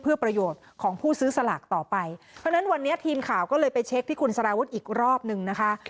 เพื่อประโยชน์ของผู้ซื้อสลากต่อไปเพราะฉะนั้นวันนี้ทีมข่าวก็เลยไปเช็คที่คุณสารวุฒิอีกรอบนึงนะคะ